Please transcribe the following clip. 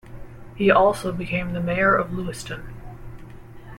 He also became the mayor of Lewiston.